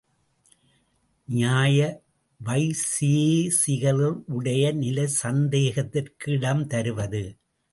நியாய வைசேசிகர்களுடைய நிலை சந்தேகத்துக்கு இடம் தருவது.